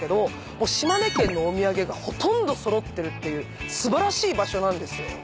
もう島根県のお土産がほとんど揃ってるっていう素晴らしい場所なんですよ。